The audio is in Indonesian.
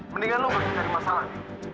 mendingan lo pergi cari masalah del